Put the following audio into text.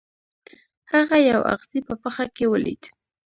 هغه یو اغزی په پښه کې ولید.